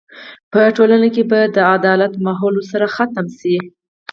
په ټولنه کې به د عدالت ماحول ورسره ختم شي.